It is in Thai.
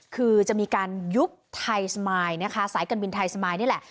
คือจะมีการยุบไทยสมายนะคะสายการบินไทยสมายนี่แหละ